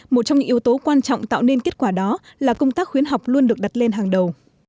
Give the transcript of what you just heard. một trong những yếu tố quan trọng tạo nên kết quả đó là công tác khuyến học luôn được đặt lên hàng đầu